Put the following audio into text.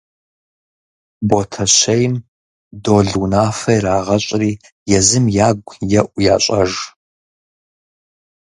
Ботэщейм Дол унафэ ирагъэщӀри езым ягу еӀу ящӀэж.